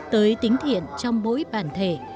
tới tính thiện trong mỗi bản thể